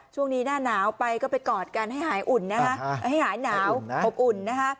ช่วงนี้หน้าหนาวไปก็ไปกอดกันให้หายหนาวอบอุ่น